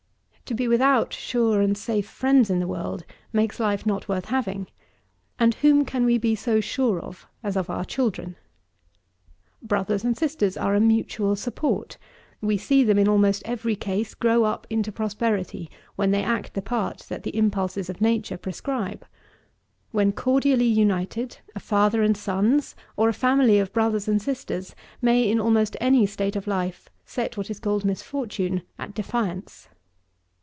To be without sure and safe friends in the world makes life not worth having; and whom can we be so sure of as of our children? Brothers and sisters are a mutual support. We see them, in almost every case, grow up into prosperity, when they act the part that the impulses of nature prescribe. When cordially united, a father and sons, or a family of brothers and sisters, may, in almost any state of life, set what is called misfortune at defiance.